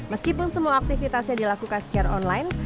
meskipun semua aktivitasnya dilakukan secara online